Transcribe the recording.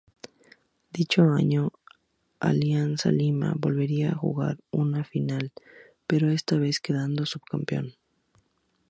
Dicho año, Alianza Lima volvería a jugar una final, pero esta vez quedando subcampeón.